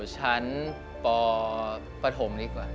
ชั้นปปฐมนี่ก่อน